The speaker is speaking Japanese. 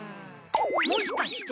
もしかして。